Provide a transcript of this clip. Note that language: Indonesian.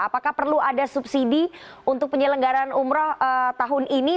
apakah perlu ada subsidi untuk penyelenggaran umroh tahun ini